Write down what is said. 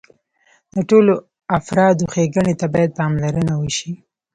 د ټولو افرادو ښېګڼې ته باید پاملرنه وشي.